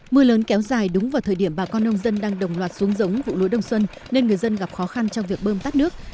mưa lớn kéo dài đúng vào thời điểm bà con nông dân đang đồng loạt xuống giống vụ lúa đông xuân nên người dân gặp khó khăn trong việc bơm tắt nước